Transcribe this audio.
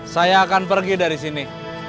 saya akan pergi dari sini